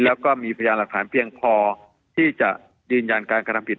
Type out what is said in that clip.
แล้วก็มีพยานหลักฐานเพียงพอที่จะยืนยันการกระทำผิด